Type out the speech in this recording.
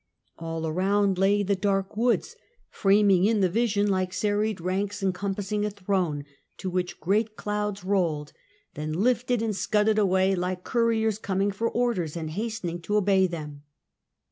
All around lay the dark woods, fra ming in the vision like serried ranks encompassing a throne, to which great clouds rolled, then lifted and scudded away, like couriers coming for orders and hastening to obey them.